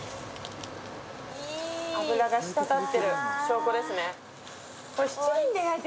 脂がしたたってる証拠ですね。